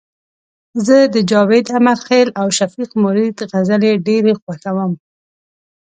زه د جاوید امرخیل او شفیق مرید غزلي ډيري خوښوم